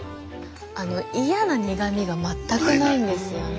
あの嫌な苦みが全くないんですよね。